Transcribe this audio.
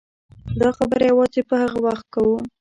دا خبره یوازې په هغه وخت کوو.